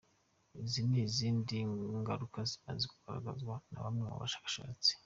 Izi ni zimwe mu ngaruka zimaze kugaragazwa na bamwe mu bashakashatsi.